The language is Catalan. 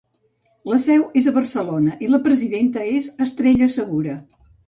La seu és a Barcelona i la presidenta és Estrella Segura.